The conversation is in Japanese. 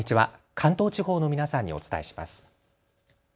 関東地方の皆さんにお伝えします。